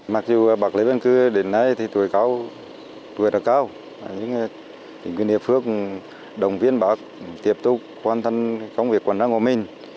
mặc dù bà lê văn cư đến nay thì tuổi cao tuổi đã cao nhưng nghị phước đồng viên bà tiếp tục quan tâm công việc hoàn trang của mình